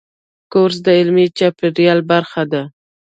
کورس د علمي چاپېریال برخه ده.